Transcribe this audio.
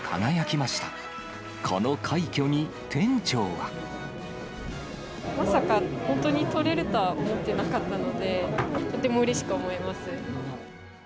まさか本当にとれるとは思ってなかったので、とてもうれしく思います。